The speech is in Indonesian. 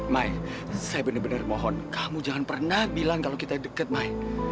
mai saya benar benar mohon kamu jangan pernah bilang kalau kita deket main